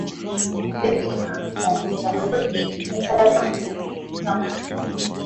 benki hiyo ilianzisha bodi ya sarafu ya afrika mashariki